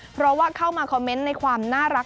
เพราะว่าเข้ามาคอมเมนต์ในความน่ารัก